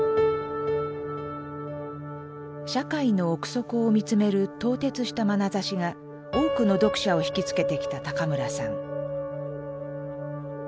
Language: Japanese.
社会の奥底を見つめる透徹したまなざしが多くの読者を引き付けてきた村さん。